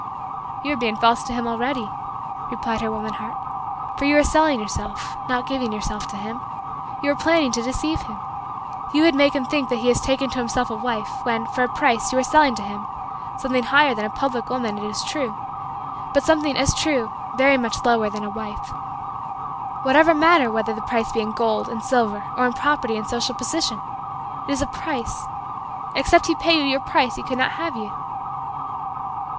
"You are being false to him already," replied her woman heart, "for you are selling yourself, not giving yourself to him. You are planning to deceive him. You would make him think that he is taking to himself a wife when, for a price, you are selling to him something higher than a public woman, it is true but something, as true, very much lower than a wife. What matter whether the price be in gold and silver or in property and social position it is a price. Except he pay you your price he could not have you."